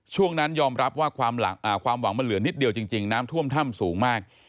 ช่วงนั้นยอมรับว่าความหวังมันเหลือนิดเดียวจริงน้ำท่วมถ้ำสูงมาก